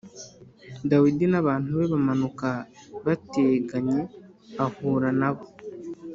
Dawidi n’abantu be bamanuka bateganye, ahura na bo.